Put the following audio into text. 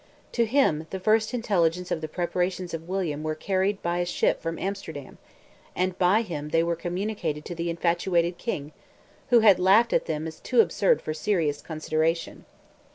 To him the first intelligence of the preparations of William were carried by a ship from Amsterdam, and by him they were communicated to the infatuated King, who had laughed at them as too absurd for serious consideration.